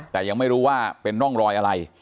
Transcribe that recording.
แต่ยังไม่รู้ว่าเป็นร่องรอยอะไร